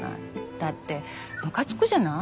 だってムカつくじゃない？